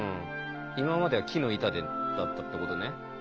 今までは木の板だったってことね。